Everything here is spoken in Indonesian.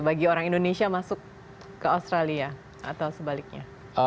bagi orang indonesia masuk ke australia atau sebaliknya